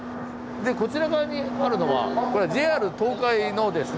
でこちら側にあるのはＪＲ東海のですね